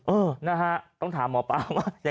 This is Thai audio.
เออต้องถามหมอป้าว่า